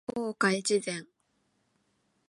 大岡越前